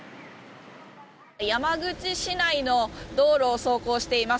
山口市内の道路を走行しています。